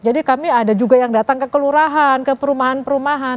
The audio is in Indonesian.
jadi kami ada juga yang datang ke kelurahan ke perumahan perumahan